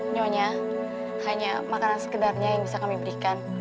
nyonya hanya makanan sekedarnya yang bisa kami berikan